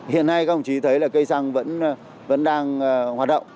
hiện nay các ông chí thấy là cây xăng vẫn đang hoạt động